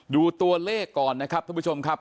ดูตัวเลขก่อนนะครับท่านผู้ชมครับ